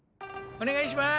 お願いします。